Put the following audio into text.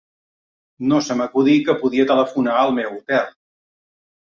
No se m'acudí que podia telefonar al meu hotel